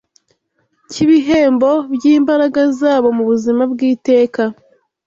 cyibihembo byimbaraga zabo mubuzima bwiteka